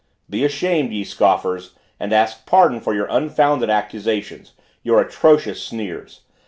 Be ashamed, ye scoffers! and ask pardon for your unfounded accusations, your atrocious sneers.